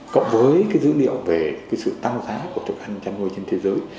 cộng với dữ liệu về sự tăng giá của thức ăn chăn nuôi trên thế giới